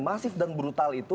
masif dan brutal itu